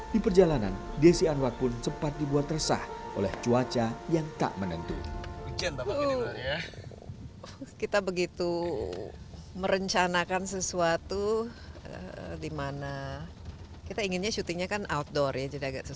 di perjalanan desian wakun sempat dibuat resah oleh cuaca yang terlalu teruk